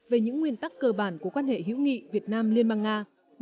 về những nguyên tắc cơ bản của quan hệ hữu nghị việt nam liên bang nga